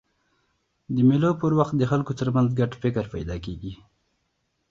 د مېلو پر وخت د خلکو ترمنځ ګډ فکر پیدا کېږي.